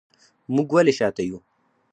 موږ ولې شاته یو